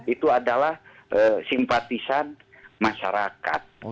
itu adalah simpatisan masyarakat